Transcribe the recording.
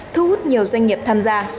thu hút nhiều doanh nghiệp tham gia